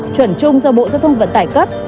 chuẩn trung do bộ giao thông vận tải cấp